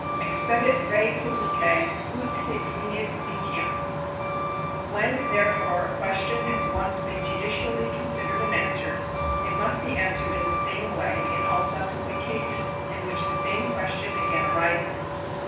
Expedit reipublicae ut sit finis litium. When, therefore, a question has once been judicially con sidered and answered, it must be answered in the same way in all subsequent cases in which the same question again arises.